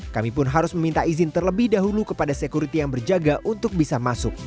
kami pun harus meminta izin terlebih dahulu kepada sekuriti yang berjaga untuk bisa masuk